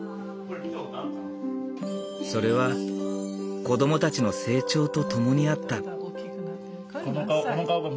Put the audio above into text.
それは子供たちの成長とともにあった。